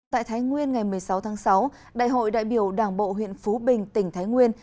tại thái nguyên ngày một mươi sáu tháng sáu đại hội đại biểu đảng bộ huyện phú bình tỉnh thái nguyên